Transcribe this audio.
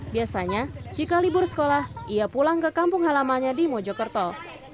biasanya jika libur sekolah ia pulang ke kampung halamannya di mojokerto